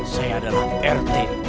saya adalah rt